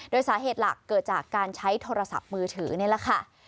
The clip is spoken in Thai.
โดยสาเหตุหลักเกิดจากการใช้โทรศัพท์มือถือนี่แหละค่ะ